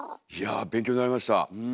いや勉強になりました。